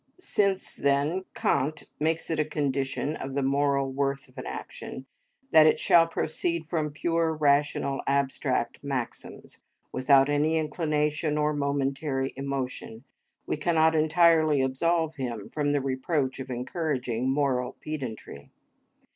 Since then Kant makes it a condition of the moral worth of an action, that it shall proceed from pure rational abstract maxims, without any inclination or momentary emotion, we cannot entirely absolve him from the reproach of encouraging moral pedantry.